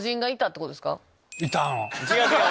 違う違う！